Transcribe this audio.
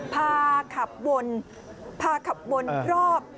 พาขับวนพาขับวนรอบ